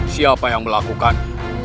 siapa yang melakukan